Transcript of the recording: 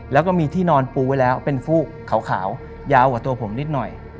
แล้วก็มีที่นอนปูไว้แล้วเป็นฟูกขาวยาวกว่าตัวผมนิดหน่อย